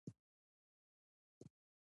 هغه څه، چې زما له وس پوره وي.